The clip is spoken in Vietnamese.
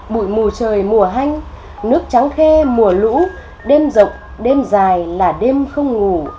bụi mù trời mùa hanh nước trắng khe mùa lũ đêm rộng đêm dài là đêm không ngủ